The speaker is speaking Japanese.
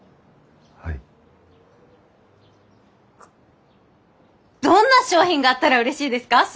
こどんな商品があったら嬉しいですか？